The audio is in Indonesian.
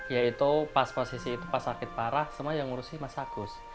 yaitu pas posisi itu pas sakit parah semua yang ngurusi mas agus